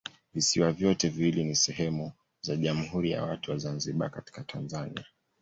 Visiwa vyote viwili ni sehemu za Jamhuri ya Watu wa Zanzibar katika Tanzania.